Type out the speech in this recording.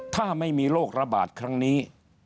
ถ้าไม่มีโรคระบาดครั้งนี้